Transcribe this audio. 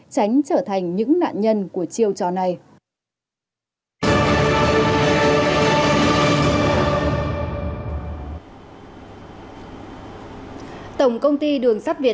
tránh trở thành những nạn nhân của chiêu trị